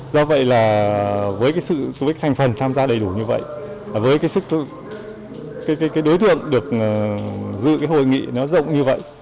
do vậy với sự thành phần tham gia đầy đủ như vậy với đối tượng được dự hội nghị rộng như vậy